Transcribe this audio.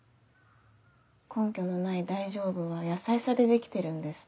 「根拠のない『大丈夫』は優しさで出来てるんです」